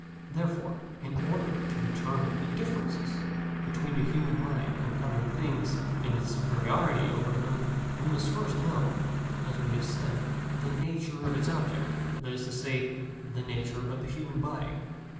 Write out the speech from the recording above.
Therefore, in order to determine the differences between the human mind and other things and its superiority over them, we must first know, as we have said, the nature of its object, that is to say, the nature of the human body.